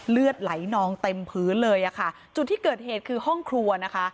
เลือดไหลนองเต็มพื้นเลยอ่ะค่ะจุดที่เกิดเหตุคือห้องครัวนะคะ